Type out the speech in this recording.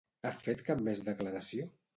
Ha fet cap més declaració?